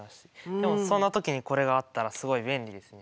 でもそんな時にこれがあったらすごい便利ですね。